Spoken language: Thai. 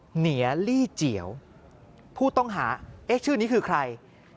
เหนียลี่เจียวผู้ต้องหาเอ๊ะชื่อนี้คือใคร